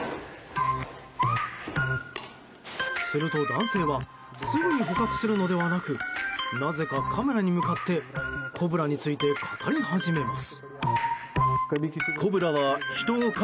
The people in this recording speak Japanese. すると男性はすぐに捕獲するのではなくなぜかカメラに向かってコブラについて語り始めます。